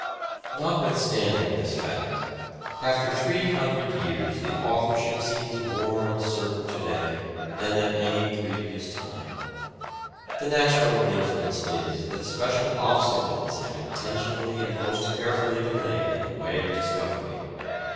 Notwithstanding this fact, after three hundred years the authorship seems more uncertain to day than at any previous time. The natural inference is that special obstacles have intentionally and most carefully been laid in the way of the discovery.